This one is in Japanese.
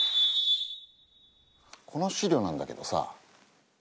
この資料なんだけどさ。